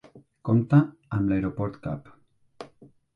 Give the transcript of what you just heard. Compta amb l'aeroport Cap.